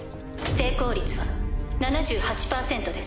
成功率は７８％です。